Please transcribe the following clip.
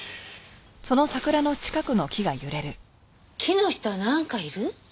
木の下なんかいる？